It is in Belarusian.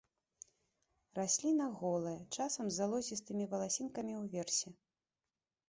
Расліна голая, часам з залозістымі валасінкамі ўверсе.